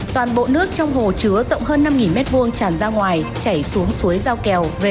toàn bộ nước trong hồ chứa rộng hơn năm m hai tràn ra ngoài chảy xuống suối giao kèo